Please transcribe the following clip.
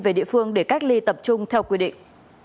về địa phương để cách ly tập trung theo quy định